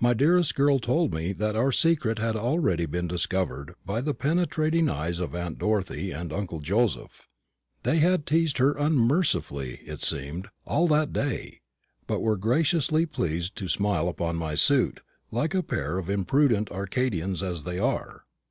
My dearest girl told me that our secret had already been discovered by the penetrating eyes of aunt Dorothy and uncle Joseph. They had teased her unmercifully, it seemed, all that day, but were graciously pleased to smile upon my suit, like a pair of imprudent Arcadians as they are.